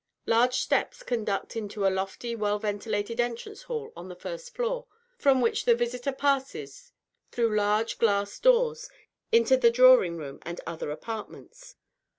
Large steps conduct into a lofty well ventilated entrance hall on the first floor, from which the visitor passes, through large glass doors, into the drawing room and other apartments.